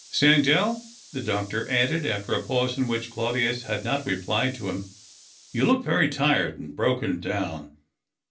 " Sandell," the doctor added, after a pause in which Claudius had not replied to him, " you look very tired and broken down.